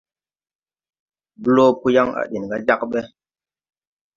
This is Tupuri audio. Blo po yaŋ à deŋ ga Djakbé.